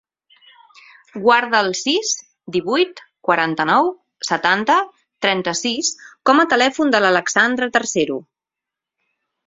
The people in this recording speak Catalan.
Guarda el sis, divuit, quaranta-nou, setanta, trenta-sis com a telèfon de l'Alexandra Tercero.